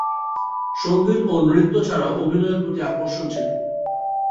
সংগীত ও নৃত্য ছাড়াও অভিনয়ের প্রতি আকর্ষণ ছিল।